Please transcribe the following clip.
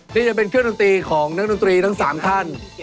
นี่จะเป็นเครื่องดนตรีของนักดนตรีทั้ง๓ท่าน